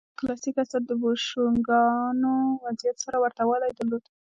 د مایا کلاسیک عصر د بوشونګانو وضعیت سره ورته والی درلود.